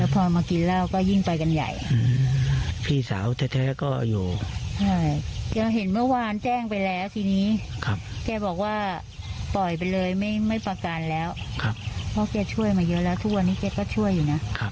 ปล่อยไปเลยไม่ประกันแล้วเพราะเค้าช่วยมาเยอะแล้วทุกวันนี้เค้าก็ช่วยอยู่นะ